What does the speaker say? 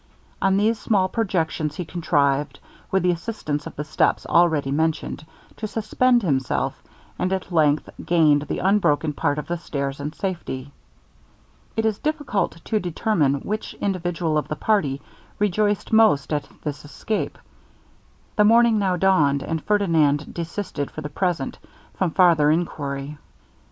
On these small projections he contrived, with the assistance of the steps already mentioned, to suspend himself, and at length gained the unbroken part of the stairs in safety. It is difficult to determine which individual of the party rejoiced most at this escape. The morning now dawned, and Ferdinand desisted for the present from farther enquiry.